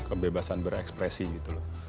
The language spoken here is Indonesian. kebebasan berekspresi gitu loh